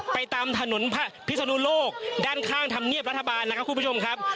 ตามถนนพิศนุโลกด้านข้างธรรมเนียบรัฐบาลนะครับคุณผู้ชมครับ